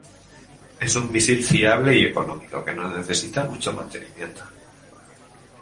Es un misil fiable y económico, que no necesita mucho mantenimiento.